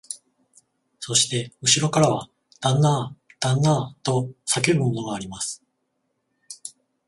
そしてうしろからは、旦那あ、旦那あ、と叫ぶものがあります